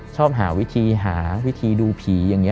ชอบหาวิธีหาวิธีดูผีอย่างนี้